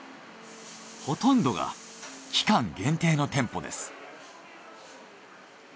ほとんどが期間限定の店舗です。